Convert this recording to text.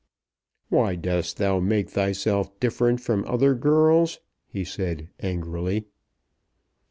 "Why dost thou make thyself different from other girls?" he said, angrily.